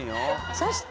そして！